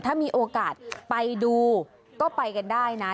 ถ้ามีโอกาสไปดูก็ไปกันได้นะ